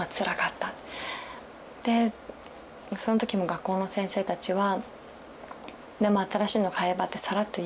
でその時も学校の先生たちは「新しいの買えば？」ってさらっと言う。